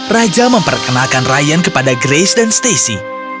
raja memperkenalkan ryan kepada grace dan stacy